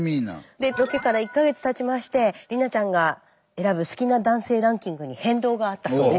でロケから１か月たちまして理菜ちゃんが選ぶ好きな男性ランキングに変動があったそうです。